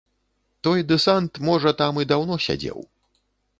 Той дэсант, можа, там і даўно сядзеў.